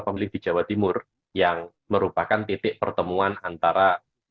pemilih di jawa timur yang merupakan titik pertemuan antara